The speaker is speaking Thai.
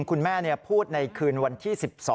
คุณแม่พูดในคืนวันที่๑๒